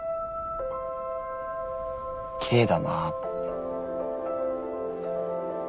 きれいだなって。